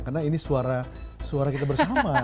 karena ini suara kita bersama